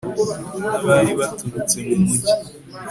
n'abari baturutse mu mugi